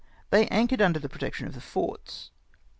They anchored under the protec tion of the forts.